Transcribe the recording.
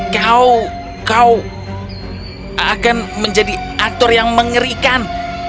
kau kau akan menjadi aktor yang mengerikan